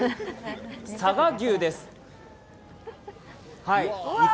佐賀牛です。